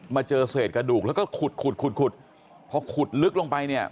มาเจอเศษกระดูกแล้วก็ขุดขุดขุดขุดเพราะขุดลึกลงไปเนี่ย